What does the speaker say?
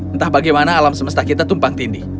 entah bagaimana alam semesta kita tumpang tindih